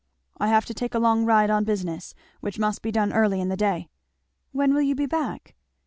"I have to take a long ride, on business, which must be done early in the day." "When will you be back?"